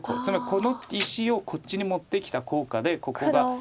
つまりこの石をこっちに持ってきた効果でここが。